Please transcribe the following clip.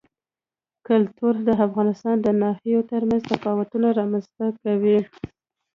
کلتور د افغانستان د ناحیو ترمنځ تفاوتونه رامنځ ته کوي.